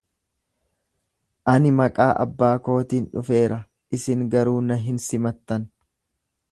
Ani maqaa abbaa kootiin dhufeera, isin garuu na hin simattan.